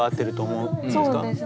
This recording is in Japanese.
そうですね。